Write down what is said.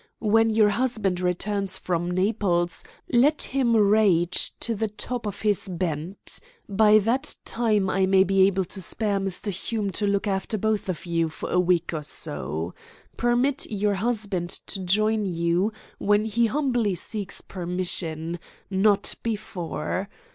When your husband returns from Naples, let him rage to the top of his bent. By that time I may be able to spare Mr. Hume to look after both of you for a week or so. Permit your husband to join you when he humbly seeks permission not before.